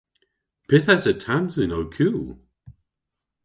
Pyth esa Tamsyn ow kul?